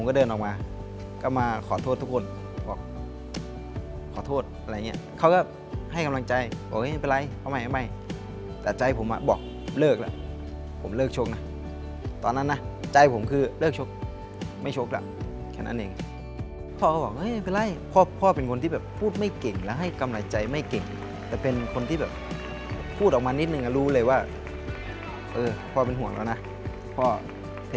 อคุณภิกษ์อคุณภิกษ์อคุณภิกษ์อคุณภิกษ์อคุณภิกษ์อคุณภิกษ์อคุณภิกษ์อคุณภิกษ์อคุณภิกษ์อคุณภิกษ์อคุณภิกษ์อคุณภิกษ์อคุณภิกษ์อคุณภิกษ์อคุณภิกษ์อคุณภิกษ์อคุณภิกษ์